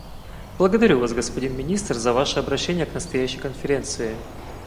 Благодарю Вас, господин министр, за ваше обращение к настоящей Конференции.